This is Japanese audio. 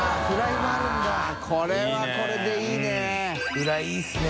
フライいいですね。